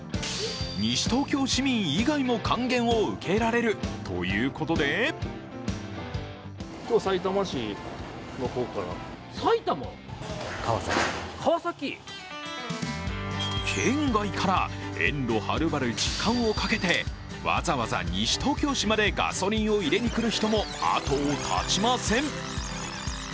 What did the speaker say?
西東京市民以外も還元を受けられるということで県外から遠路はるばる時間をかけてわざわざ西東京市までガソリンを入れに来る人も後を絶ちません。